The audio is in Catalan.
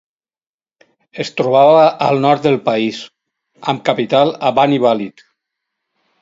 Es trobava al nord del país, amb capital a Bani Walid.